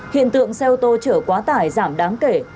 hiện tượng xe ô tô chở quá tải giảm đáng kể